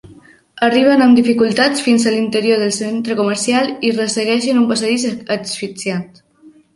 Arriben amb dificultats fins a l'interior del centre comercial i ressegueixen un passadís asfixiant.